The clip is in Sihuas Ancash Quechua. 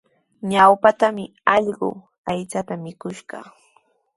Ñawpatrawmi allqu aychata mikuskishqa.